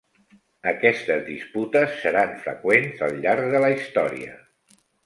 Aquestes disputes seran freqüents al llarg de la història.